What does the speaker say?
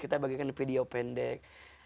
kita bagikan video pendek